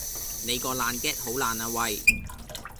你個爛 gag 好爛呀喂